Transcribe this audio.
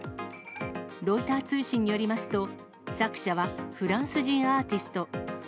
ロイター通信によりますと、作者はフランス人アーティスト。